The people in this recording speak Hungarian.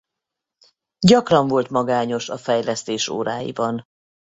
Gyakran volt magányos a fejlesztés óráiban.